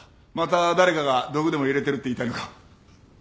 また誰かが毒でも入れてるって言いたいのか？